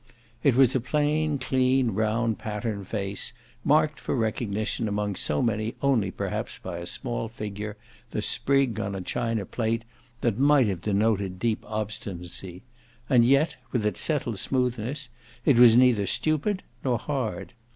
It was a plain clean round pattern face, marked for recognition among so many only perhaps by a small figure, the sprig on a china plate, that might have denoted deep obstinacy; and yet, with its settled smoothness, it was neither stupid nor hard.